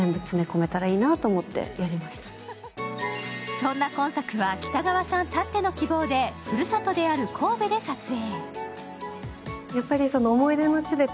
そんな今作は北川さんたっての希望でふるさとである神戸で撮影。